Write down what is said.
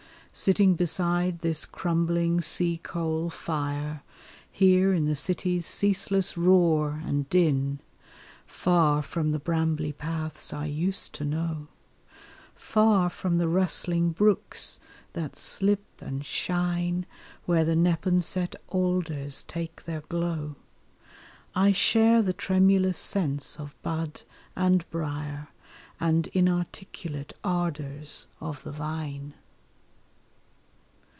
Sitting beside this crumbling sea coal fire, Here in the city's ceaseless roar and din, Far from the brambly paths I used to know, Far from the rustling brooks that slip and shine Where the Neponset alders take their glow, I share the tremulous sense of bud and briar And inarticulate ardors of the vine.